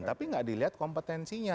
tapi tidak dilihat kompetensinya